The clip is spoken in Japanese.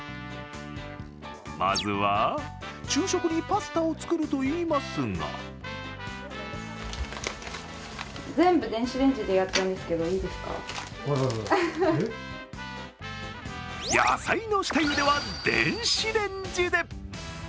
まずは、昼食にパスタを作るといいますが野菜の下茹では電子レンジで。